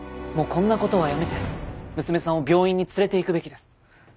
もうこんなことはやめて娘さんを病院に連れていくべきです。